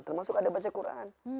termasuk ada baca quran